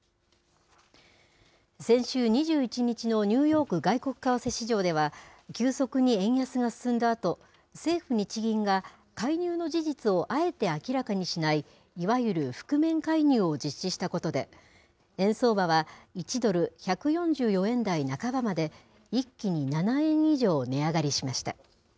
先週２１日のニューヨーク外国為替市場では、急速に円安が進んだあと、政府・日銀が、介入の事実をあえて明らかにしないいわゆる覆面介入を実施したことで、円相場は、１ドル１４４円台半ばまで、一気に７円以上値上がりしました。